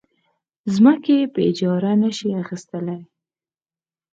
ځمکې په اجاره نه شي اخیستلی.